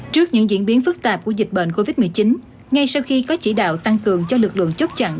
trước những diễn biến phức tạp của dịch bệnh covid một mươi chín ngay sau khi có chỉ đạo tăng cường cho lực lượng chốt chặn